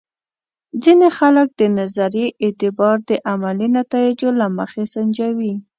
ځینې خلک د نظریې اعتبار د عملي نتایجو له مخې سنجوي.